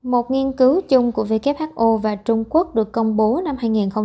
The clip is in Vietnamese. một nghiên cứu chung của who và trung quốc được công bố năm hai nghìn hai mươi một